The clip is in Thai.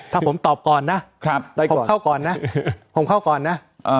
ถ้าผมตอบก่อนนะผมเข้าก่อนนะ